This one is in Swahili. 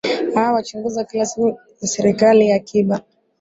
aa wachunguza kila siku za serikali ya kiba